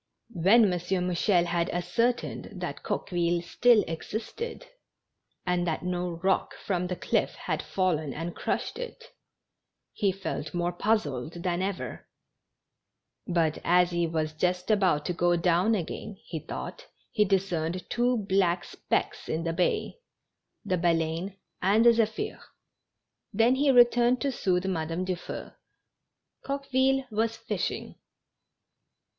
When M. Mouchel had ascertained that Coqueville still existed, and that no rock from the cliff had fallen and crushed it, he felt more puz zled than ever; but as he was just about to go down again, he thought he discerned two black specks in the bay — the Baleine and the Zephir, Then he returned to soothe Madame Dufeu. Coqueville was fishing. GENERAL HAPPINESS.